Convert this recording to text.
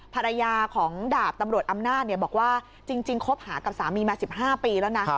ภรรยาของดาบตำรวจอำนาจบอกว่าจริงคบหากับสามีมา๑๕ปีแล้วนะ